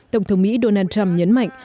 tổng thống mỹ donald trump nhấn mạnh